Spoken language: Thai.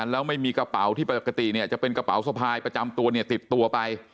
แล้วไม่มีกระเป๋าที่ปกติเนี่ยจะเป็นกระเป๋าสะพายประจำตัวเนี่ยติดตัวไป